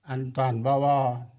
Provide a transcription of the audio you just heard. ăn toàn bo bo